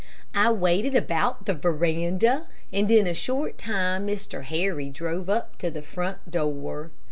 I waited about the veranda, and in a short time Mr. Harry drove up to the front door.